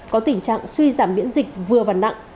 có tình trạng suy giảm miễn dịch vừa bằng nặng